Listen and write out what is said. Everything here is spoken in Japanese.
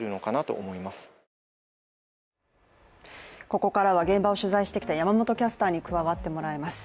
ここからは現場を取材してきた山本キャスターにも加わってもらいます。